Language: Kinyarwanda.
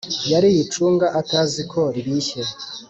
yariye icunga ataziko ribishye.